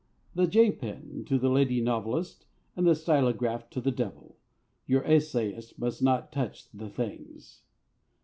The J pen to the lady novelist, and the stylograph to the devil your essayist must not touch the things.